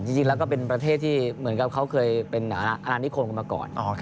จริงแล้วก็เป็นประเทศที่เหมือนกับเขาเคยเป็นอนานิคมกันมาก่อน